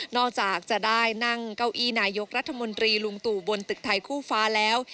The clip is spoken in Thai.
จากจะได้นั่งเก้าอี้นายกรัฐมนตรีลุงตู่บนตึกไทยคู่ฟ้าแล้ว